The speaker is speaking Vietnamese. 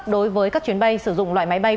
đối với các chuyến bay sử dụng loại máy bay